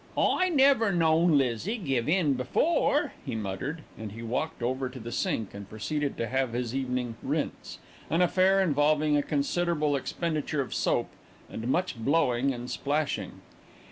"I never known Lizzie give in before," he muttered, and he walked over to the sink and proceeded to have his evening "rinse," an affair involving a considerable expenditure of soap and much blowing and splashing.